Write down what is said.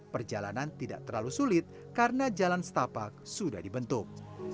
perjalanan tidak terlalu sulit karena jalan setapak sudah dibentuk